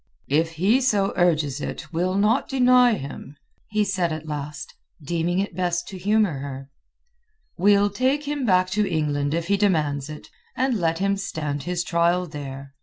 "If he so urges it, we'll not deny him," he said at last, deeming it best to humour her. "We'll take him back to England if he demands it, and let him stand his trial there.